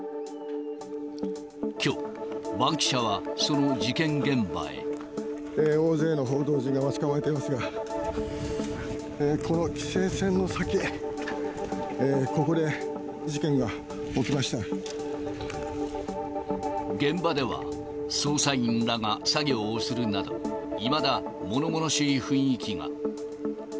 きょう、大勢の報道陣が待ち構えていますが、この規制線の先、現場では、捜査員らが作業をするなど、いまだ、ものものしい雰囲気が。